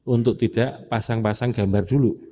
untuk tidak pasang pasang gambar dulu